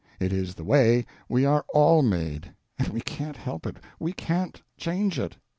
It is the way we are all made, and we can't help it, we can't change it.